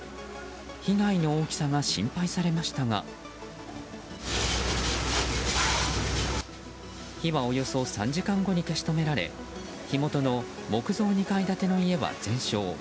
被害の大きさが心配されましたが火はおよそ３時間後に消し止められ火元の木造２階建ての家は全焼。